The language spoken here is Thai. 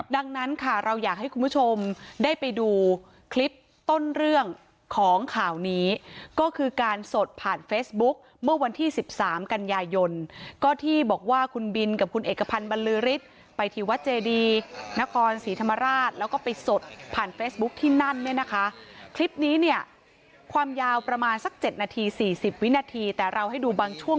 ดังนั้นค่ะเราอยากให้คุณผู้ชมได้ไปดูคลิปต้นเรื่องของข่าวนี้ก็คือการสดผ่านเฟซบุ๊กเมื่อวันที่สิบสามกันยายนก็ที่บอกว่าคุณบินกับคุณเอกพันธ์บรรลือฤทธิ์ไปที่วัดเจดีนครศรีธรรมราชแล้วก็ไปสดผ่านเฟซบุ๊คที่นั่นเนี่ยนะคะคลิปนี้เนี่ยความยาวประมาณสักเจ็ดนาทีสี่สิบวินาทีแต่เราให้ดูบางช่วง